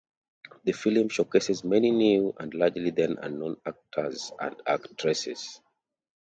The film showcases many new and largely then-unknown actors and actresses.